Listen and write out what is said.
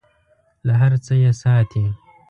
له هر څه یې ساتي .